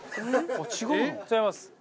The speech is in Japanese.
違います。